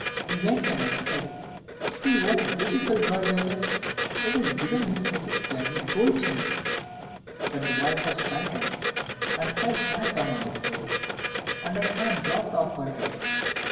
He went in and said, "See what a beautiful bird that is it has given me such a splendid gold chain!" But the wife was frightened, and fell flat down on the floor, and her cap dropped off her head.